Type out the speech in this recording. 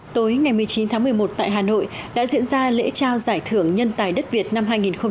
tối ngày một mươi chín tháng một mươi một tại hà nội đã diễn ra lễ trao giải thưởng nhân tài đất việt năm hai nghìn một mươi chín